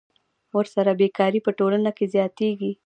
ورسره بېکاري په ټولنه کې زیاتېږي